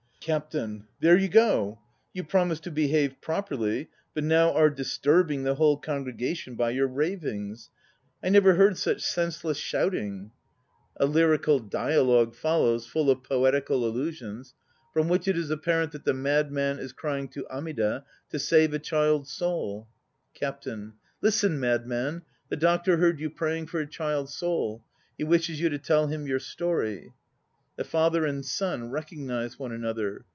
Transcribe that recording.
CAPTAIN. There you go! You promised to behave properly, but now arc disturbing* 1 the whole congregation by your ravings. I never heard such senseless shouting. i Literally "waking." 244 THE NO PLAYS OF JAPAN (A lyrical dialogue follows full of poetical allusions, from which it is apparent that the MADMAN is crying to Amida to save a child's soul.) CAPTAIN. Listen, Madman! The Doctor heard you praying for a child's soul. He wishes you to tell him your story. The father and son recognize one another.